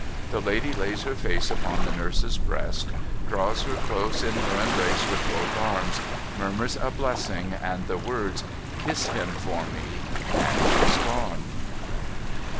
The lady lays her face upon the nurse's breast, draws her close in her embrace with both arms, murmurs a blessing and the words, ' Kiss him for me !' and is gone.